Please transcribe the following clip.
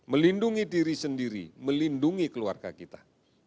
melindungi diri sendiri melindungi keluarga kita